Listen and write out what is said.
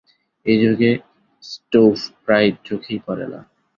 এই যুগে ক্টোভ প্রায় চোখেই পড়ে না।